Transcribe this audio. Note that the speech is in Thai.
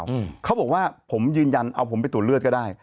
อืมเขาบอกว่าผมยืนยันเอาผมไปตรวจเลือดก็ได้